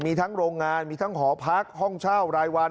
มีทั้งโรงงานมีทั้งหอพักห้องเช่ารายวัน